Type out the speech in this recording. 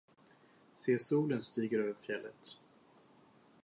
Se solen stiger över fjället.